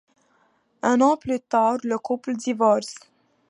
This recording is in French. Un an plus tard, le couple divorce.